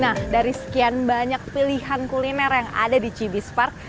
nah dari sekian banyak pilihan kuliner yang ada di chibie spark